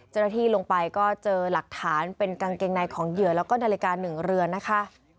เจ้าหน้าที่ลงไปก็เจอหลักฐานเป็นกางเกงในของเหยื่อแล้วก็นาฬิกาหนึ่งเรือนนะคะ